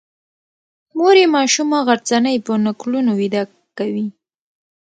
مور یې ماشومه غرڅنۍ په نکلونو ویده کوي.